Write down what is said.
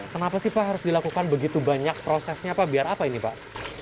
kenapa sih pak harus dilakukan begitu banyak prosesnya pak biar apa ini pak